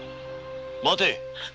待て！